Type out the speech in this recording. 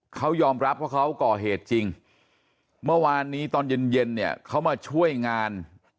เขายอมรับว่าเขาก่อเหตุจริงเมื่อวานนี้ตอนเย็นเนี่ยเขามาช่วยงาน